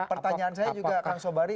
pertanyaan saya juga kang sobari